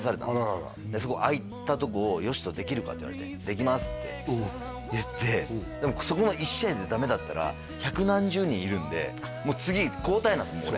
「あいたとこを嘉人できるか？」って言われて「できます」って言ってでもそこの一試合でダメだったら百何十人いるんでもう次交代なんですよ